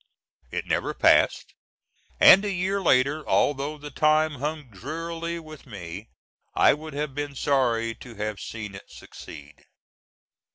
It never passed, and a year later, although the time hung drearily with me, I would have been sorry to have seen it succeed.